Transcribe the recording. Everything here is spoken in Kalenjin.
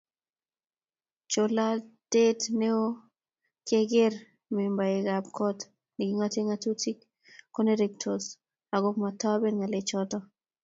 Cholatet neo kekere membaekab kot ne kingoten ngatutik konertos ako matoben ngalechoto